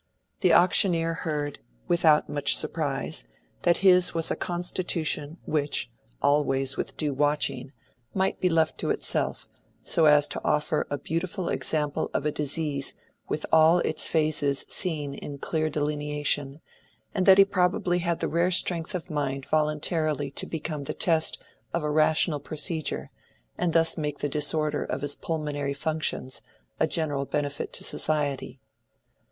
The auctioneer heard, without much surprise, that his was a constitution which (always with due watching) might be left to itself, so as to offer a beautiful example of a disease with all its phases seen in clear delineation, and that he probably had the rare strength of mind voluntarily to become the test of a rational procedure, and thus make the disorder of his pulmonary functions a general benefit to society.